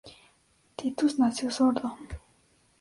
Titus nació sordo.